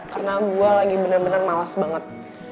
karena gue lagi bener bener malas banget